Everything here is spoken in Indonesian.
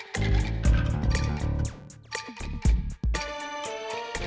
siapa tahu bapak mau